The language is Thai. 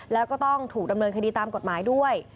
แล้วก็ต้องถูกดำเนินคดีตามกฎหมายด้วย